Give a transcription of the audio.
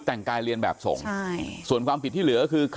แต่งกายเรียนแบบส่งใช่ส่วนความผิดที่เหลือคือ